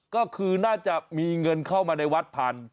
ก็คือน่าจะมีเงินเข้ามาในวัดพัน